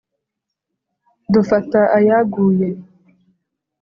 dufata ayaguye